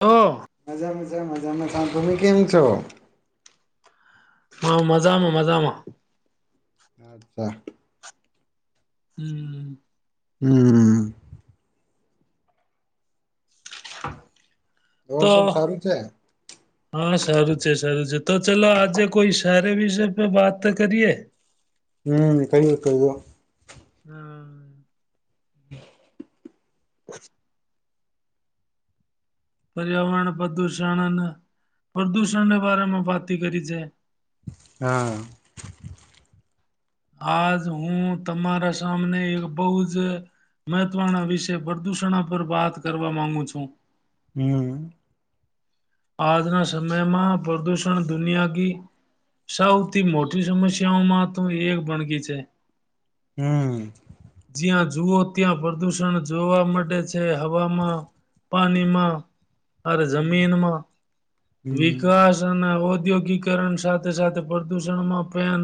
તો મજા મજા મજામાં [inaudible] કેમ છો? હા, મજામાં મજામાં. અચ્છા. હમ્મ. હમ્મ. ઓર તો સબ સારું છે? હા સારું છે સારું છે. તો ચલો આજે કોઈસ સારે વિષય પે વાત તો કરીએ. હમ્મ કરીએ કરીયો. હમ્મ. પર્યાવરણ પ્રદૂષણ અને પ્રદૂષણને બારે મે વાતે કરી છે. હા. આજ હું તમારા સામને એક બહુ જ મહત્વના વિષ પ્રદૂષણના પર વાત કરવા માંગુ છું. હમ્મ. આજના સમયમાં પ્રદૂષણ દુનિયાકી સૌથી મોટી સમસ્યાઓમાં તો એક ભણગી છે. હમ્મ. જ્યાં જુઓ ત્યાં પ્રદુષણ જોવા મળે છે હવામાં પાનીમાં અરે જમીનમાં હમ વિકાસ અન ના ઔદ્યોગિકરણ સાથે સાથે પ્રદુષણમાં ફેન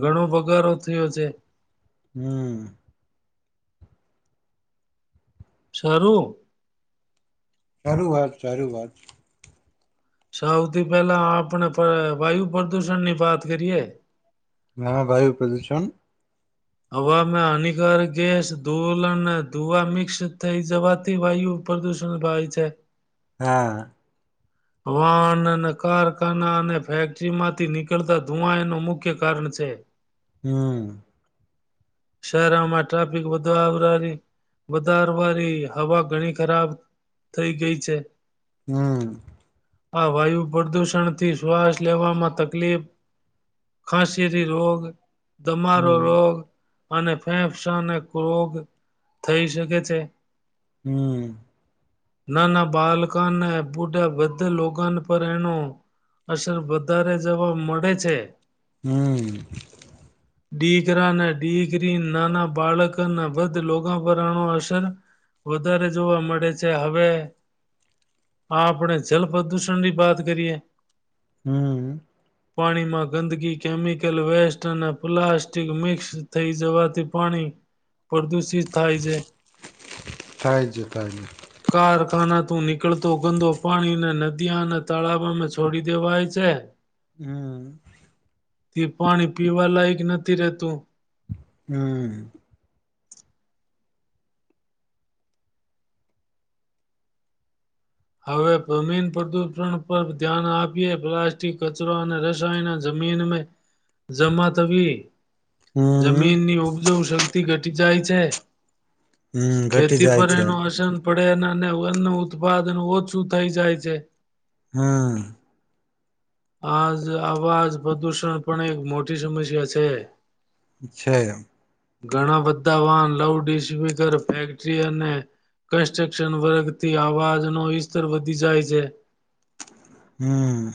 ઘણો વઘારો થયો છે. હમ્મ. છરૂ સારું વાત સારી વાત. સૌથી પહેલા આપણે પા વાયુ પ્રદુષણ ની વાત કરીએ. હા વાયુ પ્રદૂષણ. હવામાં હાનિકાર ગેસ ધૂલ અને ધુવા મિક્સ થઈ જવાથી વાયુ પ્રદૂષણ ભાય છે. હા. વાહન અને કારખાના અને ફેક્ટરીમાંથી નીકળતા ધુઆઈનું મુખ્ય કારણ છે. હમ્મ. શહેરોમાં ટ્રાફિક વધારાવી વધારવાની હવા ઘણી ખરાબ થઈ ગઈ છે. હમ આ વાયુ પ્રદૂષણથી શ્વાસ લેવામાં તકલીફ ખાંસી થી રોગ તમારો હમ તો અને ફેંફસાને રોગ થઈ શકે છે. હમ્મ. નાના બાલકોને પૂટ અહ બધે લોકાન પર એનું અસર વધારે જવા મળે છે. હમ્મ. દી [unintelligible] નાના બાળકના બધ લોકો પર આનો અસર વધારે જોવા મળે છે. હવે આપણે જલ પ્રદૂષણની વાત કરીએ. હમ્મ. પાણીમાં ગંદકી, કેમિકલ, વેસ્ટ અને પ્લાસ્ટ જે મિક્સ થઈ જવાથી પાણી એ પ્રદુષ થાય છે થાય છે થાય છે કારખાના તું નીકળતો ગંદો પાણીને [unintelligible] અને તળાવમે છોડી દેવાય છે. હમ્મ. તે પાણી પીવા લાયક નથી થી રહેતું હમ્મ. હવે જમીન પ્રદૂષણ પર ધ્યાન આપીએ. પ્લાસ્ટિક, કચરો અને રસાયણ જમીન મે જમા થવી હમ જમીન ની ઉપજવ શક્તિ ઘટી જાય છે હમ્મ ઘટી ખેતી જાય પર છે. એનો અસર પડે અને ઉત્પાદ [unintelligible] ઓછું થઈ જાય છે. હમ્મ. આજ આવાજ પ્રદૂષણ પણ એક મોટી સમસ્યા છે. છે. ઘણા બધા વાહન લાઉડ સ્પીકર, ફેક્ટરી અને કન્સ્ટ્રક્શન વર્ગથી અવાજનો ઇસ્તર વધી જાય છે. હમ્મ.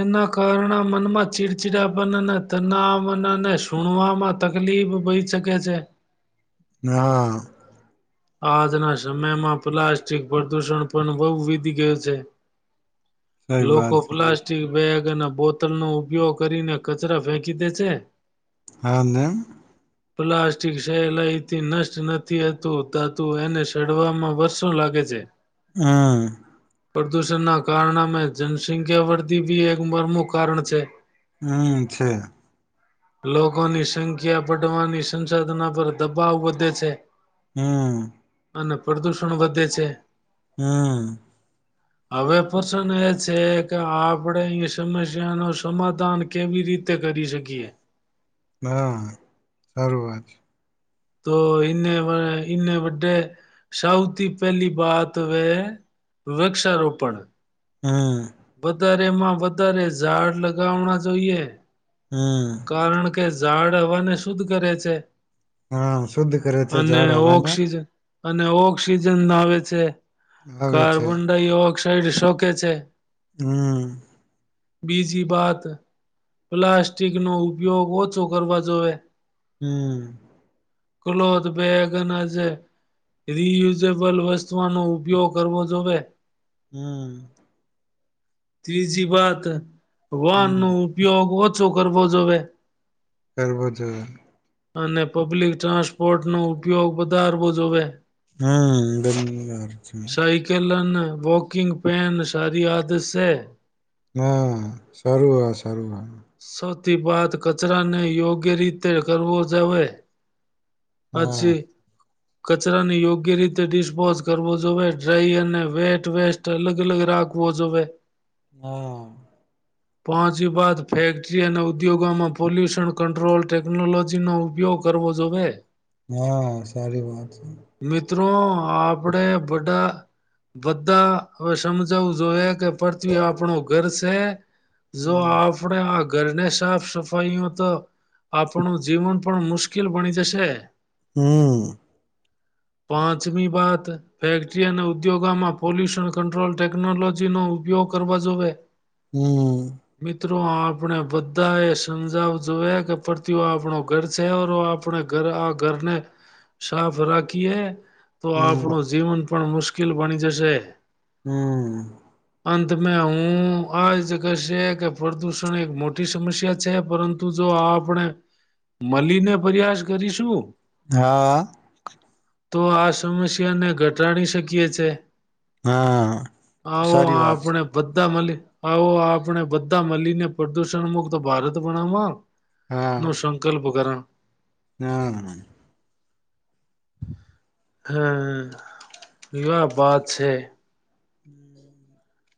એના કારણે મનમાં ચીડચીડાપન અને તનાવનાને સુણવામાં તકલીફ બઈ શકે છે. હા. આજના સમયમાં પ્લાસ્ટિક પ્રદુષણ પણ બહુ વીતી ગયું છે. સઈ લોકો વાત પ્લાસ્ટિક બેગ ના બોતલ નો ઉપયોગ કરીને કચરા ફેંકી દે છે [unintelligible] પ્લાસ્ટિક સહેલાઈથી નષ્ટ નથી હતું હા તો એને સડવામાં વર્ષો લાગે છે. હા પ્રદૂષણના કારણમે જનસંખ્યા વધી બી એક મરમું કારણ છે હમ છે લોકોની સંખ્યા બઢવાની સંસાધના પર દબાવ વધે છે. હમ્મ. અને પ્રદુષણ વધે છે. હમ્મ. હવે પ્રશ્ન એ છે કે આપણે અહીં સમસ્યા નો સમાધાન કેવી રીતે કરી શકીએ. હા સારું વાત. તો એને એને વડે સૌથી પહેલી બાત વે વૃક્ષારોપણ. હમ્મ. [unintelligible] વધારે માં વધારે ઝાડ લગાવના જોઈએ. હમ કારણ કે ઝાડ હવાને શુદ્ કરે છે. હા શુદ્ધ કરે છે અને ઝાડ હવાને. ઓક્સિજન અને ઓક્સિજન નાવે છે. આવે છે કાર્બન ડાયઓક્ શરીર શોકે છે. હમ્મ. બીજી વાત પ્લાસ્ટિક નો ઉપયોગ ઓછો કરવો જોએ. હમ્મ. ક્લોથ બેગન જે રિયુઝેબલ વસ્તુઓનો ઉપયોગ કરવો જોવે. હમ્મ. ત્રીજી વાત વન હમ નો ઉપયોગ ઓછો કરવો જોવે. કરવો જોઈએ. અને પબ્લિક ટ્રાન્સપોર્ટ નો ઉપયોગ વધારવો જોવે. હમ્મ સાયકલ અને [unintelligible] વોકિંગ પેન સારી આદત સે. હા સારું, હા સારું હા. [unintelligible] વાત કચરાને યોગ્ય રીતે કરવો જોવે. હા પછી કચરાને યોગ્ય રીતે ડિસ્પોઝ કરવો જોવે. ડ્રાય અને વેટ વેસ્ટ અલગ-અલગ રાખવો જોવે. હા. પહોંચી બાદ ફેક્ટરી અને ઉદ્યોગોમાં પોલ્યુશન કંટ્રોલ ટેક ટેકનોલોજી નો ઉપયોગ કરવો જોવે. હા સારી વાત છે. મિત્રો આપડે બડા બધાં હવે સમજાવું જોઈએ કે પૃથ્વી આપણું ઘર છે જો હમ આપણે આ ઘરને સાફ સફાઈઓ તો આપણું જીવન પણ મુશ્કેલ બની જશે હમ્મ પાંચમી બાત ફેક્ટરી અને ઉદ્યોગોમાં પોલ્યુશન કંટ્રોલ ટેકનોલોજી નો ઉપયોગ કરવા જોએ હમ્મ મિત્રો આપણે બધા એ સમજાવ જોયા કે પ્રતિઓ આપણો ઘર છે ઓર વો આપણે ઘર આ ઘરને સાફ રાખીએ તો હમ આપણું જીવન પણ મુશ્કેલ મુશ્કેલ બની જશે હમ્મ અંત મે હું આ જ કશે કે પ્રદુષણ એક મોટી સમસ્યા છે પરંતુ જો આપ આપણે મલી ને પ્રયાસ કરીશું હા તો આ સમસ્યાને ઘટાડી શકીએ છે હા આવો સારી વાત છે આપણે બધા બધા મલી આવો આપણે બધા મળીને પ્રદુષણ મુક્ત ભારત બનાવા લો સંકલ્પ કરા ના હમ્મ યહાં બાત છે હમ્મ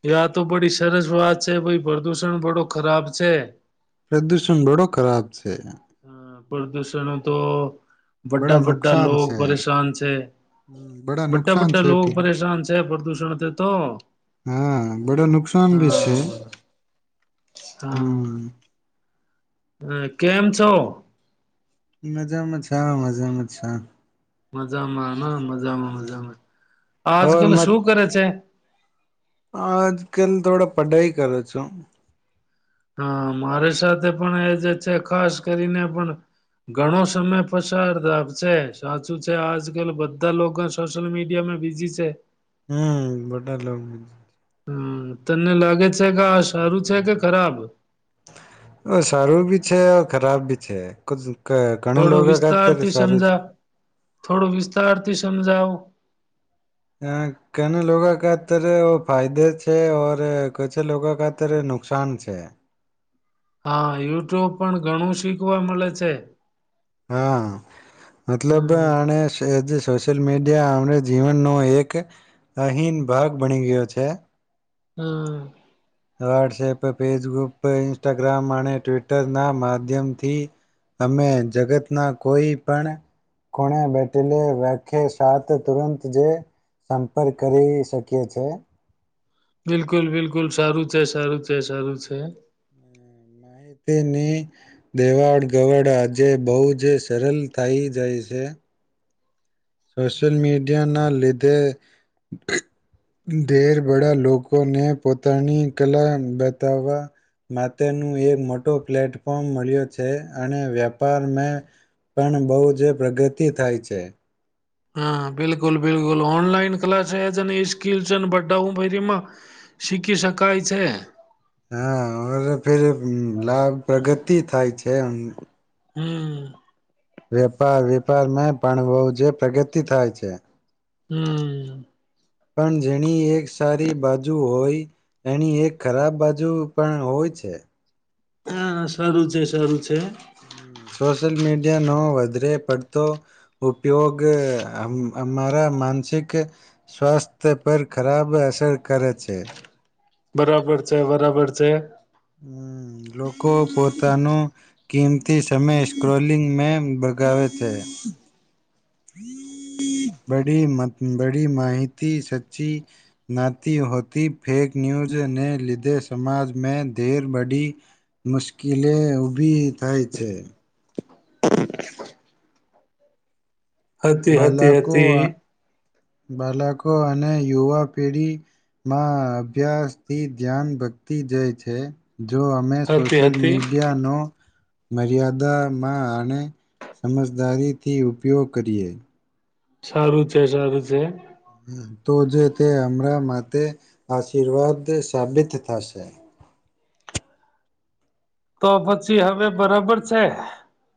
યાઆ તો બડી સરસ વાત છે ભાઈ પ્રદુષણ ગણો ખરાબ છે પ્રદૂષણ બડો ખરાબ છે પ્રદુષણ તો બડા વડાા વડાા નુકસાન લોકો છે પરેશાન છે બડા વડા નુકસાન વડા છે લોકો પરેશાન છે પ્રદુષણ તો હા બડા નુકસાન ભી હા છે હા હમ હ કેમ છો મજામાં છ મજામાં છ મજામાં મજામાં મજામાં આજકાલ શું કરે છે આજ કલ થોડા પઢાઈ કરે છુ હા મારી સાથે પણ એ જે છે ખાસ કરીને પણ ઘણો સમય પસાર થ છે સાચું છે આજકાલ બધા લોકો સોશિયલ મીડિયા મા બીઝી છે હમ્મ બધા લોકો હમ્મ તને લાગે છે કે આ સારું છે કે ખરાબ સારુ ભી છે ખરાબ ભી છે ઘણા થોડો લોકો ખાતર વિસ્તારથી સારું સમજાવ થોડો વિસ્તારથી સમજાવ એ કેને લોકો ખાતર ફાયદે છે ઔર કછ લોકો ખાતર નુકસાન છે હા યુટ્યુબ પણ ઘણું શીખવા મળે છે હા મતલબ હમ અને સોશિયલ મીડિયા અમને જીવનનો એક અહીન ભાગ બની ગયો છે હમ્મ વહોટ્સએપ ફેસબુપ ઇન્સ્ટાગ્રામ અને ટ્વિટરના માધ્યમથી અમે જગતના કોઈ પણ ખૂણે બેટેલે વ્યાખ્ય સાત તુરંત જે સંપર્ક કરી શકીએ છીએ બિલકુલ બિલકુલ સારું છે સારુ છે સારુ છે માહિતીની દેવાડગવડ આજે બહુ જ સરળ થઈ જાય છે. સોશિયલ મીડિયાના લીધે બડા લોકોને પોતાની કલા બતાવવા માટેનું એક મોટો પ્લેટફોર્મ મળ્યો છે અને વ્યાપારમે પણ બહુ જ પ્રગતિ થાય છે. હા બિલકુલ બિલકુલ ઓનલાઈન ક્લાસજ અને સ્કીલ અને બધા હ ફરીમાં શીખી શકાય છે. હા ઓર ફેર લાભ પ્રગતિ થાય છે અમ હમ્મ વેપાર વેપાર મેં પણ વહુ જે પ્રગતિ થાય છે. હમ્મ પણ જેણી એક સારી બાજુ હોય એણી એક ખરાબ બાજુ પણ હોય છે. હા સારું છે સારું છે. હમ્મ સોશલ મીડિયા. નો વધરે પડતો ઉપયોગ અમારા માનસિક સ્વાસ્થ્ય પર ખરાબ અસર કરે છે. બરાબર છે બરાબર છે લોકો પોતાનો કિંમતી સમય સ્ક્રોલિંગ મે બગાડે છે. બડી મ બડી માહિતી સચ્ચી જ્ઞાતી હોતી ફેક ન્યૂઝને લીધે સમાજમાં ધેર બડી મુશ્કેલી ઊભી થાય છે. હતી હતી હતી બાલકો અને યુવા પેઢીમાં અભિયાસ થી દયાન ભટકી જાય છે જો અમે હતી સોશિયલ હતી મીડિયાનો. મર્યાદામાં આણે સમજદારીથી ઉપયોગ કરીએ. સારું છે સારુ છે તો જ તે હમણાં માતે આશીર્વાદ સાબિત થશે તો પછી હવે બરાબર છે.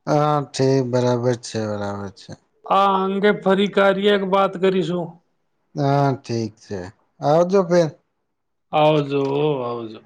હા ઠીક બરાબર છે બરાબર છે. આ અંગે ફરી કાર્ય વાત કરીશું. હા ઠીક છે આવજો ફેર. આવજો આવજો